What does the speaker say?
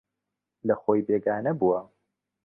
لەخۆی بێگانە بووە